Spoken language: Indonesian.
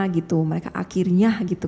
gitu mereka akhirnya gitu